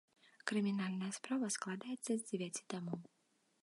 Крымінальная справа складаецца з дзевяці тамоў.